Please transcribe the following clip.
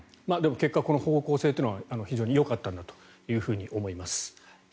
結果この方向性というのは非常によかったんだと思います。